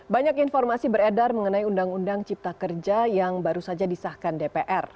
banyak informasi beredar mengenai undang undang cipta kerja yang baru saja disahkan dpr